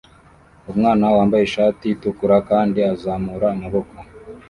Umwana yambaye ishati itukura kandi azamura amaboko